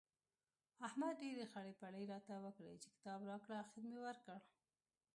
احمد ډېرې خړۍ پړۍ راته وکړې چې کتاب راکړه؛ اخېر مې ورکړ.